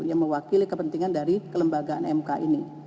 yang mewakili kepentingan dari kelembagaan mk ini